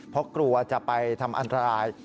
เพราะกลัวจะไปทำอันตราย